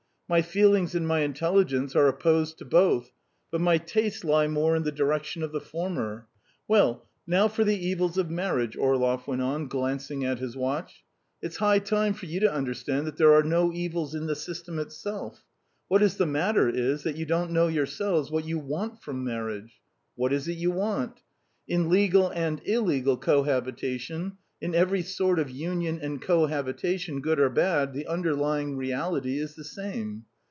My feelings and my intelligence are opposed to both, but my tastes lie more in the direction of the former. Well, now for the evils of marriage," Orlov went on, glancing at his watch. "It's high time for you to understand that there are no evils in the system itself; what is the matter is that you don't know yourselves what you want from marriage. What is it you want? In legal and illegal cohabitation, in every sort of union and cohabitation, good or bad, the underlying reality is the same.